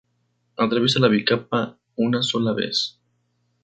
Atraviesa la bicapa una sola vez.